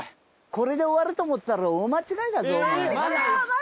これで終わると思ったら大間違いだぞお前